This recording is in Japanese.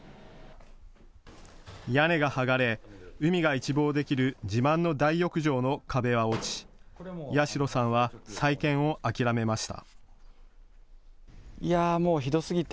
屋根が剥がれ海が一望できる自慢の大浴場の壁は落ち八代さんは再建を諦めました。